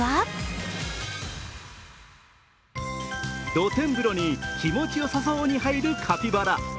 露天風呂に気持ちよさそうに入るカピバラ。